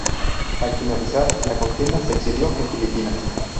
Al finalizar la contienda se exilió en Filipinas.